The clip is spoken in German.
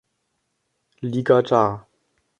Liga dar.